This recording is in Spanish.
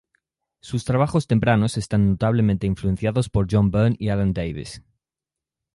Sus trabajos tempranos están notablemente influenciados por John Byrne y Alan Davis.